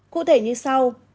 cụ thể như sau